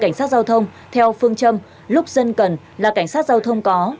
cảnh sát giao thông theo phương châm lúc dân cần là cảnh sát giao thông có